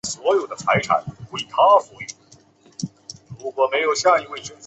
其中一个入球出现在这个赛季的最后一天并帮助他所在的球队晋级到德乙联赛。